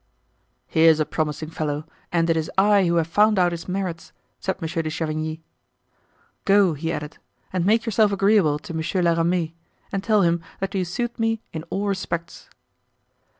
"Here's a promising fellow and it is I who have found out his merits," said Monsieur de Chavigny. "Go," he added, "and make yourself agreeable to Monsieur la Ramee, and tell him that you suit me in all respects."